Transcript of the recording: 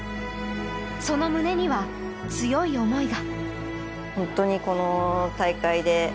その胸には、強い思いが。